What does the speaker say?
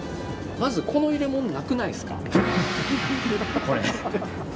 まずこの入れ物なくないですか？